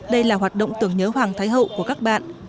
đây là hoạt động tưởng nhớ hoàng thái hậu của các bạn